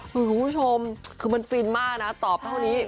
คุณผู้ชมคือมันฟินมากนะตอบเท่านี้